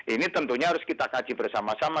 ini tentunya harus kita kaji bersama sama